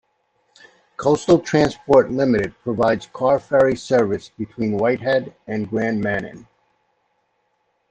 Coastal Transport Limited provides car ferry service between White Head and Grand Manan.